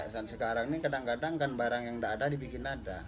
sekarang ini kadang kadang kan barang yang tidak ada dibikin ada